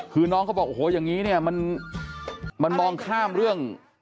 คือน้องเขาบอกโอ้โหอย่างนี้เนี่ยมันมองข้ามเรื่อง